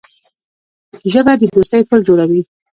ژبه د دوستۍ پُل جوړوي